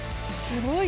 すごい！